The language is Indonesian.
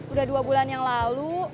udah dua bulan yang lalu